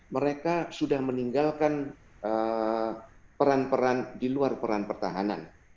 mereka sudah meninggalkan peran peran di luar peran pertahanan